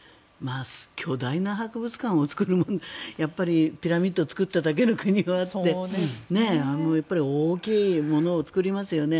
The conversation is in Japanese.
巨大な博物館を作るピラミッドを作った国だけあって大きいものを作りますよね。